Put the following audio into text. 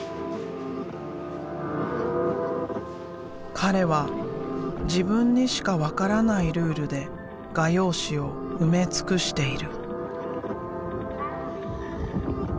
彼は自分にしか分からないルールで画用紙を埋め尽くしている。